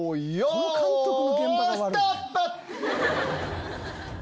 この監督の現場が悪い。